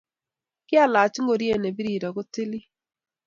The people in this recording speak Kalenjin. Kailach ingoriet ne birir ako tilil